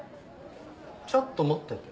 ちょっと持ってて。